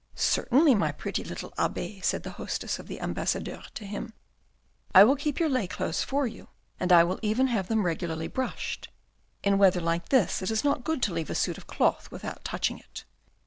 " Certainly, my pretty little abbe," said the hostess of the Ambassadeurs to him, " I will keep your lay clothes for you, and I will even have them regularly brushed. In weather like this, it is not good to leave a suit of cloth without touching it."